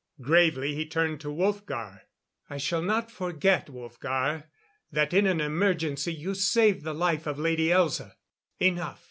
Gravely he turned to Wolfgar. "I shall not forget, Wolfgar, that, in an emergency, you saved the life of Lady Elza.... Enough!